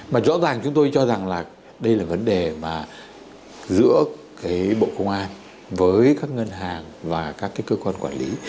mà rõ ràng chúng tôi cho rằng là đây là vấn đề mà giữa cái bộ công an với các ngân hàng và các cái cơ quan quản lý